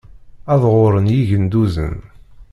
Ad ɣuren yigenduzen.